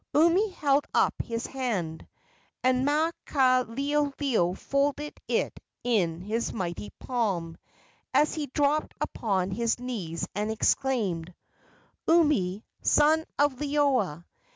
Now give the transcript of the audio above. Umi held up his hand, and Maukaleoleo folded it in his mighty palm as he dropped upon his knees and exclaimed: "Umi, son of Liloa!